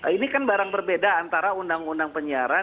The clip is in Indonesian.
ini kan barang berbeda antara undang undang penyiaran